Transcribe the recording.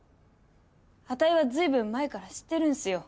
あたいは随分前から知ってるんすよ。